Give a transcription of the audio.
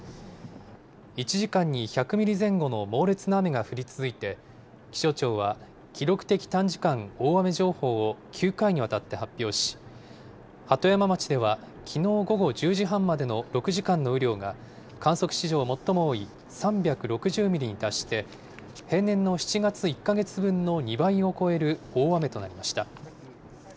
１時間に１００ミリ前後の猛烈な雨が降り続いて、気象庁は記録的短時間大雨情報を９回にわたって発表し、鳩山町ではきのう午後１０時半までの６時間の雨量が、観測史上最も多い３６０ミリに達して、平年の７月１か月分の２倍を超える大雨となりました。